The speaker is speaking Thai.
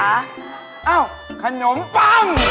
เอ้าขนมปัง